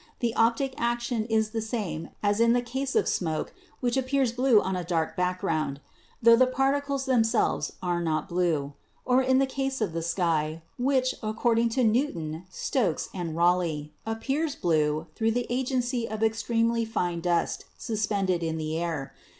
The optic action is the same as in the case of smoke which appears blue on a dark background, tho the particles themselves are not blue ; or in case of the sky, which, according to Newton, Stokes and Rayleigh, looks blue through the agency of extremely fine dust sus pended in the air.